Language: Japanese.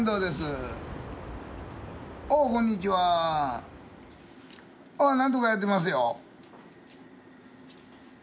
私はなんとかやっておりますよ。